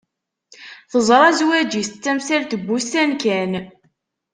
Teẓra zwaǧ-is d tamsalt n wussan kan.